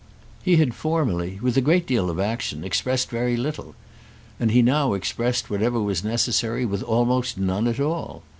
He had formerly, with a great deal of action, expressed very little; and he now expressed whatever was necessary with almost none at all.